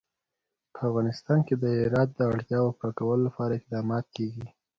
په افغانستان کې د هرات د اړتیاوو پوره کولو لپاره اقدامات کېږي.